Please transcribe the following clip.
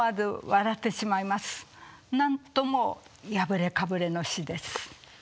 なんとも破れかぶれの詩です。